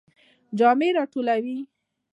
جامی را ټولوئ؟